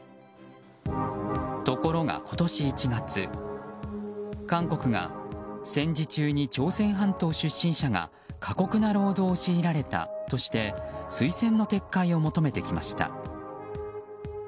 ところが今年１月、韓国が戦時中に朝鮮半島出身者が過酷な労働を強いられたとして推薦の撤回を求めてきました。